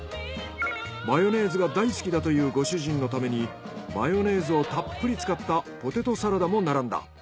マヨネーズが大好きだというご主人のためにマヨネーズをたっぷり使ったポテトサラダも並んだ。